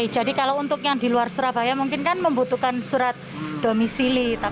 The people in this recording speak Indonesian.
kalau untuk yang di luar surabaya mungkin kan membutuhkan surat domisili